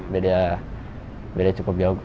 beda beda cukup jauh